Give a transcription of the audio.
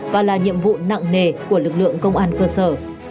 và là nhiệm vụ nặng nề của lực lượng công an cơ sở